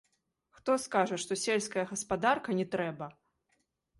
Хто скажа, што сельская гаспадарка не трэба?!